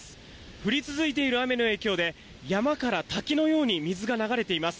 降り続いた雨の影響で山から滝のように水が流れています。